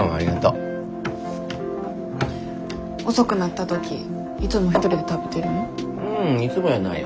ううんいつもやないよ。